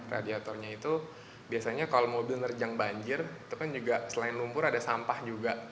radiatornya itu biasanya kalau mobil nerjang banjir itu kan juga selain lumpur ada sampah juga